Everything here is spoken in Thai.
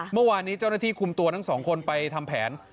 เมื่อวานนี้เจ้าหน้าที่คุมตัวทั้งสองคนไปทำแผน